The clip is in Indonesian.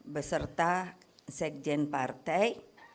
beserta sekjen partai